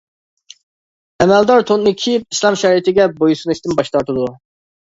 ئەمەلدار تونىنى كىيىپ، ئىسلام شەرىئىتىگە بويسۇنۇشتىن باش تارتىدۇ.